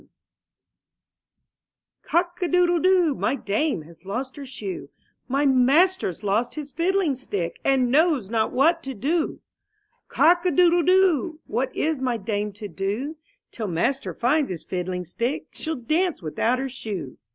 y^ '^m 'S 0MK,t::£B /T 1* fc ^^' u pOCK a doodle dool ^^ My dame has lost her shoe; My master's lost his fiddling stick And knows not what to do ! Cock a doodle doo ! What is my dame to do? Till master finds his fiddling stick She'll dance without her shoe.